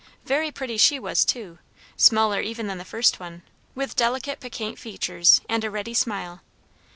Very pretty she was too; smaller even than the first one, with delicate, piquant features and a ready smile.